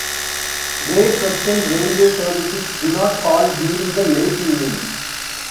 Great Western Railway services do not call during the late evening.